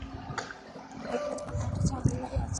এখন পার্টি ঝামেলায় আছে।